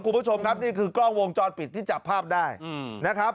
คุณผู้ชมครับนี่คือกล้องวงจรปิดที่จับภาพได้นะครับ